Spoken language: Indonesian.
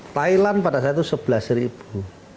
thailand pada saat itu sebelas ribu